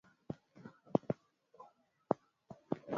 Tulifika, tukaona,